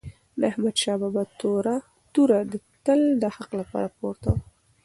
د احمدشاه بابا توره تل د حق لپاره پورته وه.